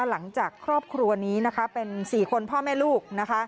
หลังจากครอบครัวนี้นะคะเป็น๔คนพ่อแม่ลูกนะคะ